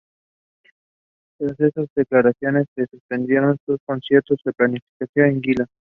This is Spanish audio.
Tras esas declaraciones se suspendió su concierto planificado en Gijón.